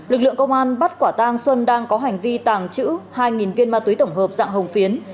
lực lượng công an bắt quả tang xuân đang có hành vi tàng trữ hai viên ma túy tổng hợp dạng hồng phiến